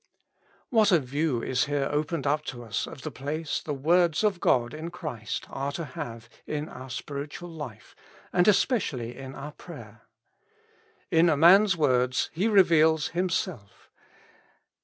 What a view is here opened up to us of the place the words of God in Christ are to have in our spiritual life, and especially in our prayer. In a man's words he reveals hitnself.